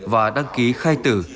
và đăng ký khai tử